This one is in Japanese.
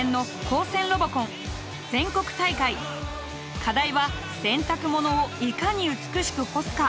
課題は「洗濯物をいかに美しく干すか？」。